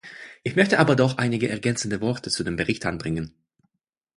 Ich möchte aber doch einige ergänzende Worte zu dem Bericht anbringen.